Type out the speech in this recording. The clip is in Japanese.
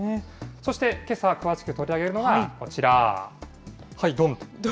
そして、けさ詳しく取り上げるのがこちら、はい、どん。